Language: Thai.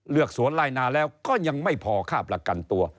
สวนไล่นาแล้วก็ยังไม่พอค่าประกันตัว